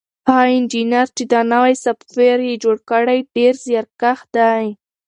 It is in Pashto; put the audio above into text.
هغه انجنیر چې دا نوی سافټویر یې جوړ کړی ډېر زیارکښ دی.